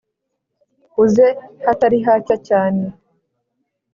uze hatari hacya cyane